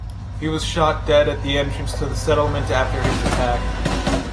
He was shot dead at the entrance to the settlement after his attack.